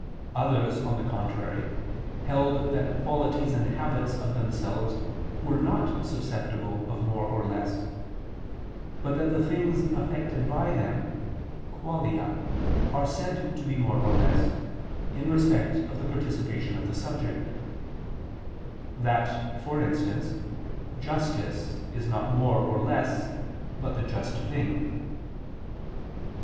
Others, on the contrary, held that qualities and habits of themselves were not susceptible of more or less; but that the things affected by them (qualia) are said to be more or less, in respect of the participation of the subject: that, for instance, justice is not more or less, but the just thing.